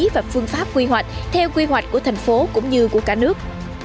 và phương pháp quy hoạch theo quy hoạch của thành phố cũng như của cả nước